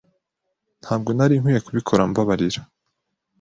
Ntabwo nari nkwiye kubikora Mbabarira